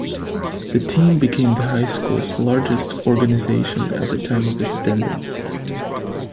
The team became the high school's largest organization at the time of his attendance.